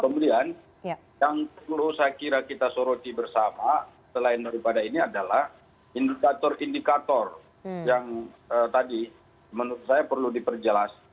kemudian yang perlu saya kira kita soroti bersama selain daripada ini adalah indikator indikator yang tadi menurut saya perlu diperjelas